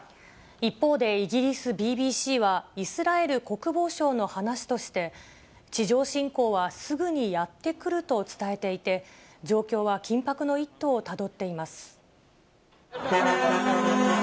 一方でイギリスＢＢＣは、イスラエル国防省の話として、地上侵攻はすぐにやって来ると伝えていて、状況は緊迫の一途をたどっています。